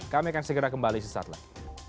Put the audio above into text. kami akan segera kembali sesaat lagi